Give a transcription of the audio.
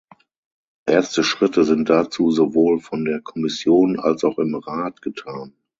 Erste Schritte sind dazu sowohl von der Kommission als auch im Rat getan.